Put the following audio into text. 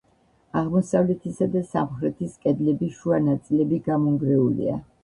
აღმოსავლეთისა და სამხრეთის კედლების შუა ნაწილები გამონგრეულია.